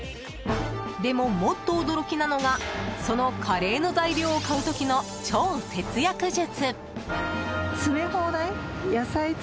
でも、もっと驚きなのがそのカレーの材料を買う時の超節約術。